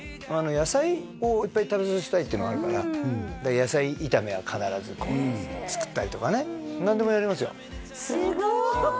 野菜をいっぱい食べさせたいっていうのがあるからだから野菜炒めは必ずこう作ったりとかね何でもやりますよすごい！